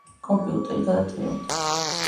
კომპიუტერი გადატრიალდა